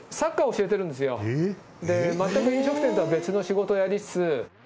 全く飲食店とは別の仕事をやりつつ。